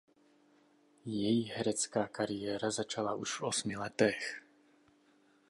Její herecká kariéra začala už v osmi letech.